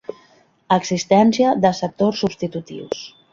Existència de sectors substitutius.